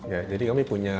ya jadi kami punya